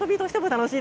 楽しい！